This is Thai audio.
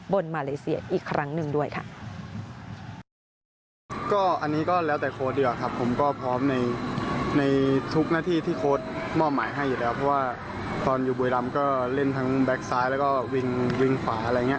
มาเลเซียอีกครั้งหนึ่งด้วยค่ะ